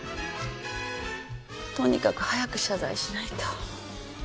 とにかく早く謝罪しないと。